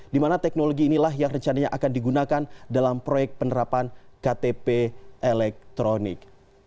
di mana teknologi inilah yang rencananya akan digunakan dalam proyek penerapan ktp elektronik